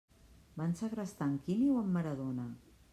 Van segrestar en Quini o en Maradona?